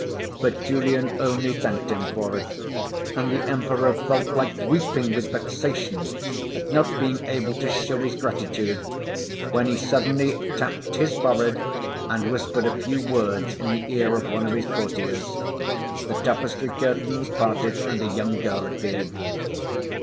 But Julian only thanked him for it, and the Emperor felt like weeping with vexation at not being able to show his gratitude, when he suddenly tapped his forehead and whispered a few words in the ear of one of his courtiers; the tapestry curtains parted and a young girl appeared.